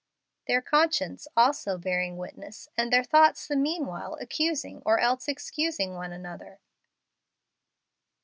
" Their conscience also hearing witness, and their thoughts the meanwhile accusing or else excusing one another."